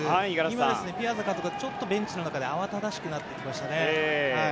今ピアザ監督がベンチの中で慌ただしくなってきましたね。